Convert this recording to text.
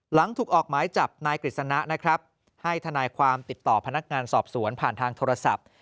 หลังถูกออกหมายจับนายกฤษณะนะครับให้ทนายความติดต่อพนักงานสอบสวนผ่านทางโทรศัพท์